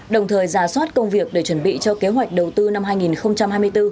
đồng thời giả soát công việc để chuẩn bị cho kế hoạch đầu tư năm hai nghìn hai mươi bốn